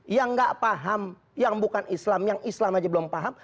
yang gak paham yang bukan islam yang islam aja belum paham